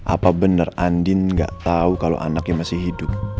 apa benar andin gak tahu kalau anaknya masih hidup